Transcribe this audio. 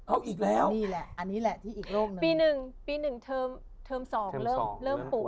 อ้าวอีกแล้วปี๑เทิม๒เริ่มป่วย